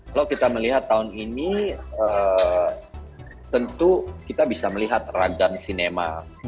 kalau kita melihat tahun ini tentu kita bisa melihat ragam sinema